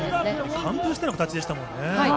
完封しての感じでしたもんね。